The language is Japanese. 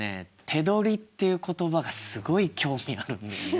手取りっていう言葉がすごい興味あるんだよね。